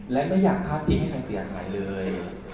และไม่อยากพลาดพิงให้ใครเสียหายเลย